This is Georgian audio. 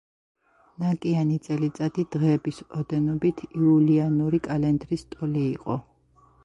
ნაკიანი წელიწადი, დღეების ოდენობით იულიანური კალენდრის ტოლი იყო.